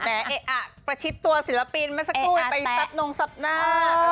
แม่เอ๊ะประชิดตัวศิลปินมาสักครู่ไปซับนงซับหน้า